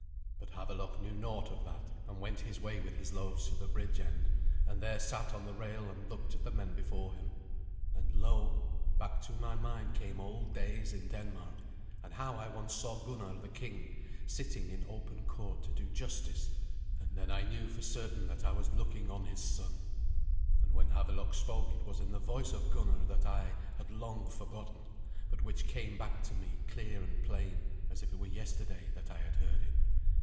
But Havelok knew naught of that, and went his way with his loaves to the bridge end, and there sat on the rail and looked at the men before him. And /lo!/ back to my mind came old days in Denmark, and how I once saw Gunnar the king sitting in open court to do justice, and then I knew for certain that I was looking on his son. And when Havelok spoke it was in the voice of Gunnar that I had long forgotten, but which came back to me clear and plain, as if it were yesterday that I had heard it.